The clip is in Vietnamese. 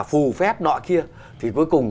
phù phép nọ kia thì cuối cùng